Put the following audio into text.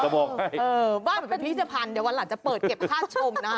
บ้านมันเป็นพิธภัณฑ์เดี๋ยววันหลังจะเปิดเก็บค่าชมนะคะ